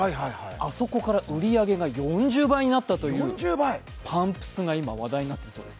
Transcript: あそこから売り上げが４０倍になったというパンプスが今、話題になっているそうです。